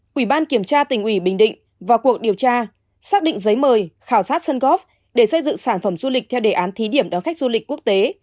quỹ ban kiểm tra tỉnh ủy bình định vào cuộc điều tra xác định giấy mời khảo sát sân góp để xây dựng sản phẩm du lịch theo đề án thí điểm đón khách du lịch quốc tế